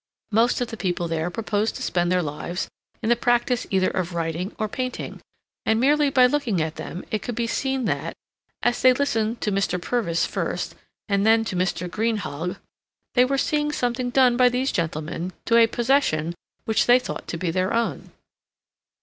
Most of the people there proposed to spend their lives in the practice either of writing or painting, and merely by looking at them it could be seen that, as they listened to Mr. Purvis first, and then to Mr. Greenhalgh, they were seeing something done by these gentlemen to a possession which they thought to be their own.